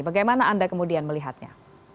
bagaimana anda kemudian melihatnya